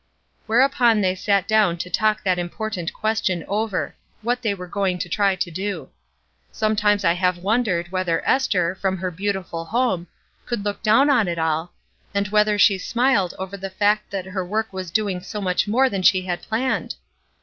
Whereupon they sat down to talk that important question over: what they were going to try to do. Sometimes I have wondered whether Ester, from her beautiful home, could look down on it all, and whether she smiled over the fact that her work was doing so much more than she had planned?